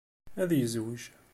Ad yezwej.